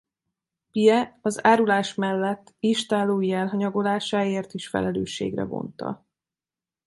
Piye az árulás mellett istállói elhanyagolásáért is felelősségre vonta.